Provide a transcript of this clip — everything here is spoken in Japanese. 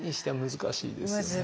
難しいですね。